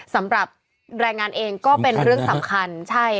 สำหรับแรงงานเองก็เป็นเรื่องสำคัญใช่